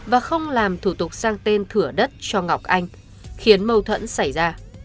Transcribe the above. và không làm thủ tục sang tên thửa đất cho ngọc anh khiến mâu thuẫn xảy ra